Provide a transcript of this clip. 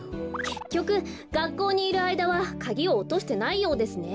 けっきょくがっこうにいるあいだはカギをおとしてないようですね。